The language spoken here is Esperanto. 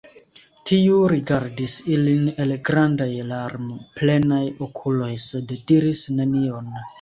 Tiu rigardis ilin el grandaj larmplenaj okuloj, sed diris nenion.